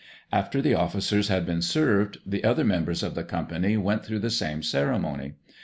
After the officers had been served, the other members of the company went through the same ceremony.